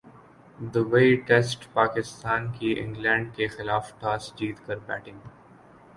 Dubai ٹیسٹپاکستان کی England کیخلاف toss جیت کر بیٹنگ